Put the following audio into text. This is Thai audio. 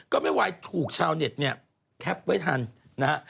ก็ไม่ไหวถูกชาวเน็ตเนี่ยแคปไว้ทันนะฮะ